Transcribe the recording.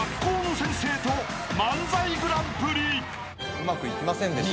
うまくいきませんでした。